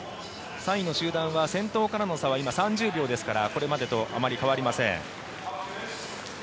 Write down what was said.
３位の集団は先頭からの差は３０秒ですから今までと変わりません。